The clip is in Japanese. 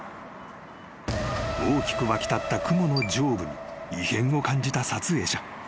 ［大きく湧き立った雲の上部に異変を感じた撮影者］